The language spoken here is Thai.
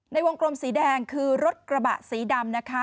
ในวงกลมสีแดงคือรถกระบะสีดำนะคะ